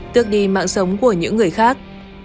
tước đi mạng sống của những người khác